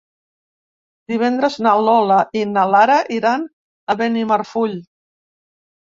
Divendres na Lola i na Lara iran a Benimarfull.